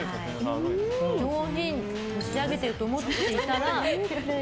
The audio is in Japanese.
上品に仕上げていると思っていたら。